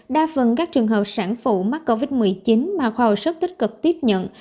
đa phần các trường hợp sản phụ mắc covid một mươi chín mà khoa hồi sức tích cực tiếp nhận